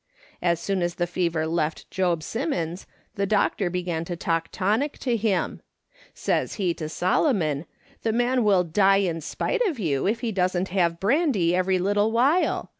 As soon as the fever left Job Simmons the doctor began to talk tonic to him ; says he to Solo mon :' The man will die in spite of you, if he doesn't have brand}' every little while.